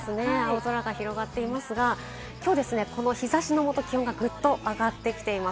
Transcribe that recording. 青空が広がっていますが、今日ですね、この日差しの下、気温がぐっと上がってきています。